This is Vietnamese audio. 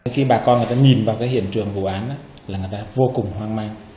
khi bà con nhìn vào hiện trường vụ án người ta vô cùng hoang mang